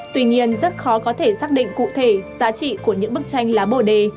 tuy nhiên rất khó có thể xác định cụ thể giá trị của những bức tranh lá bồ đề